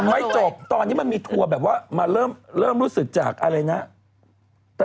ไม่จบตอนนี้มันมีทัวร์แบบว่ามาเริ่มรู้สึกจากอะไรนะ